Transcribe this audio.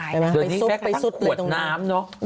เดี๋ยวนี้แพ็คไปสุดเลยตรงนั้นควดน้ำเนอะ